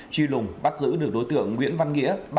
truy lùng bắt giữ được đối tượng nguyễn văn nghĩa